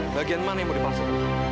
bagian mana yang mau dipaksa